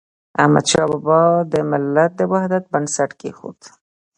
احمدشاه بابا د ملت د وحدت بنسټ کيښود.